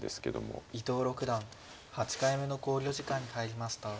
伊藤六段８回目の考慮時間に入りました。